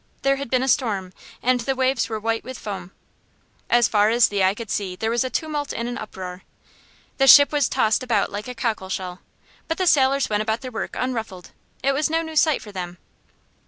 There had been a storm, and the waves were white with foam. As far as the eye could see there was a tumult and an uproar. The ship was tossed about like a cockle shell. But the sailors went about their work unruffled. It was no new sight for them.